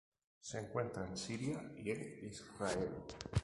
Se encuentra en Siria y en Israel.